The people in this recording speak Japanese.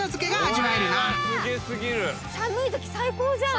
寒いとき最高じゃん！